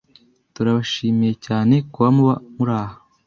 Turabashimiyecyane kuba muba muraha